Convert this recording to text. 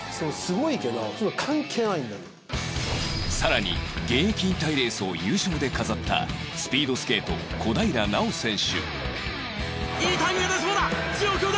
さらに現役引退レースを優勝で飾ったスピードスケート小平奈緒選手